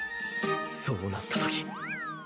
そうなったとき。